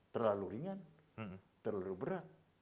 terlalu ringan terlalu berat